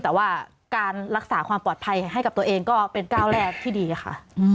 แต่ว่าการรักษาความปลอดภัยให้กับตัวเองก็เป็นก้าวแรกที่ดีค่ะ